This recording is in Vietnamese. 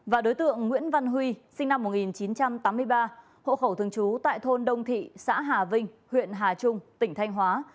và đối tượng nguyễn văn huy sinh năm một nghìn chín trăm tám mươi ba hộ khẩu thường trú tại thôn đông thị xã hà vinh huyện hà trung tỉnh thanh hóa